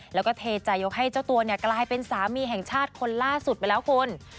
แล้วก็เทใจยกให้เจ้าตัวเนี่ยกลายเป็นสามีแห่งชาติคนล่าสุดไปแล้วคุณ